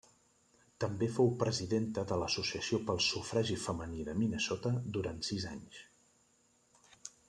També fou presidenta de l'Associació pel Sufragi Femení de Minnesota durant sis anys.